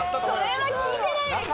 それは聞いてないですよね